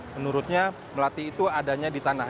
menurutnya melati itu adanya di tanah